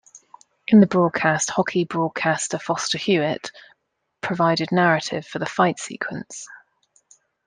In the broadcast, hockey broadcaster Foster Hewitt provided narrative for the fight sequence.